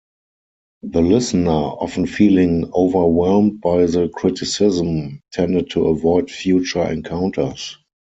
The listener, often feeling overwhelmed by the criticism, tended to avoid future encounters.